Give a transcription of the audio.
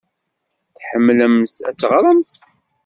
Tḥemmlemt ad teɣremt?